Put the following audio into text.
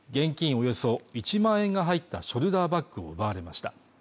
およそ１万円が入ったショルダーバッグを奪われました